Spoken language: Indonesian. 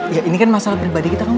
ya ini kan masalah pribadi kita kan